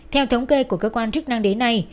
theo thống kê của cơ quan chức năng đế này